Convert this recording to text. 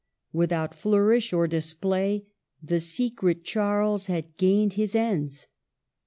Without flourish or display the secret Charles had gained his ends.